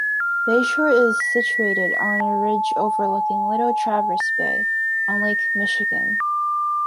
Bay Shore is situated on a ridge overlooking Little Traverse Bay on Lake Michigan.